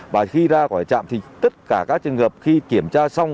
và khi ra khỏi trạm thì tất cả các trường hợp khi kiểm tra xong